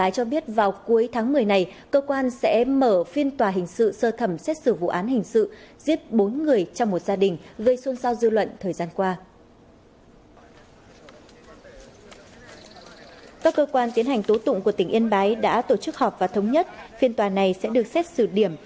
các cơ quan tiến hành tố tụng của tỉnh yên bái đã tổ chức họp và thống nhất phiên tòa này sẽ được xét xử điểm